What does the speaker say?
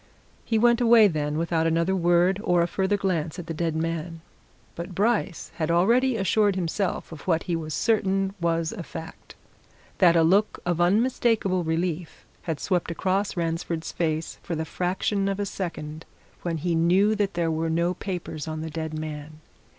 He went away then, without another word or a further glance at the dead man. But Bryce had already assured himself of what he was certain was a fact that a look of unmistakable relief had swept across Ransford's face for the fraction of a second when he knew that there were no papers on the dead man.